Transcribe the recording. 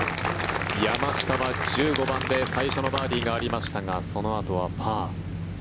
山下は１５番で最初のバーディーがありましたがそのあとはパー。